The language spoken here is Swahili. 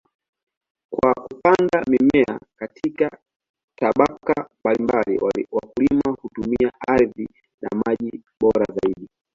Kwa kupanda mimea katika tabaka mbalimbali, wakulima hutumia ardhi na maji bora zaidi.